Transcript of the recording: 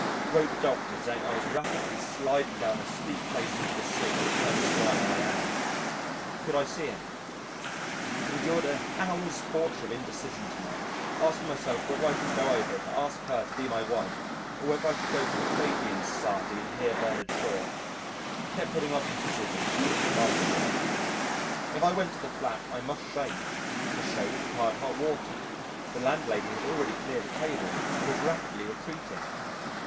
Wrote the Doctor saying I was rapidly sliding down a steep place into the sea (like the swine I am). Could I see him? Endured an hour's torture of indecision to night asking myself whether I should go over to ask her to be my wife or should I go to the Fabian Society and hear Bernard Shaw. Kept putting off the decision even till after dinner. If I went to the flat, I must shave; to shave required hot water the landlady had already cleared the table and was rapidly retreating.